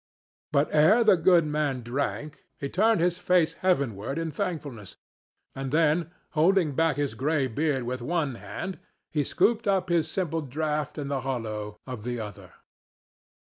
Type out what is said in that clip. But ere the good man drank he turned his face heavenward in thankfulness, and then, holding back his gray beard with one hand, he scooped up his simple draught in the hollow of the other.